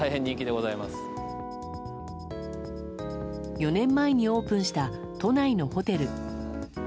４年前にオープンした都内のホテル。